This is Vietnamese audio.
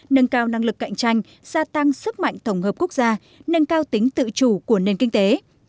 nâng cao năng lực cạnh tranh gia tăng sức mạnh tổng hợp quốc gia nâng cao tính tự chủ của nền kinh tế